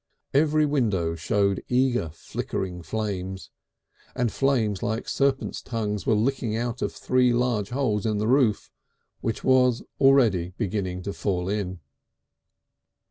Every window showed eager flickering flames, and flames like serpents' tongues were licking out of three large holes in the roof, which was already beginning to fall in.